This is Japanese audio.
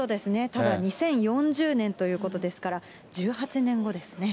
ただ、２０４０年ということですから、１８年後ですね。